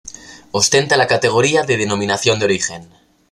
Ostenta la categoría de Denominación de origen.